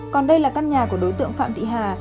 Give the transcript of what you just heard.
còn đây là căn nhà của đối tượng phạm thị hà